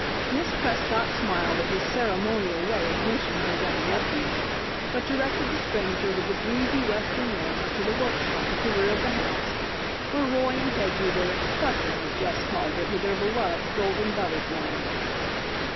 Miss Prescott smiled at this ceremonial way of mentioning her young nephew, but directed the stranger with the breezy Western manner to the workshop at the rear of the house, where Roy and Peggy were "fussing," as Jess called it, with their beloved Golden Butterfly.